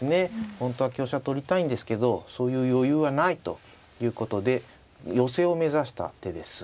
本当は香車取りたいんですけどそういう余裕はないということで寄せを目指した手です。